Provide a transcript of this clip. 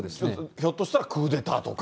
ひょっとしたらクーデターとか。